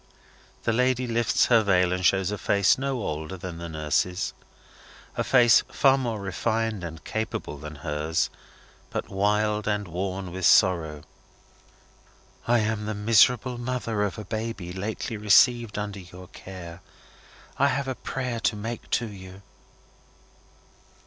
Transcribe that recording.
The lady lifts her veil, and shows a face no older than the nurse's. A face far more refined and capable than hers, but wild and worn with sorrow. "I am the miserable mother of a baby lately received under your care. I have a prayer to make to you."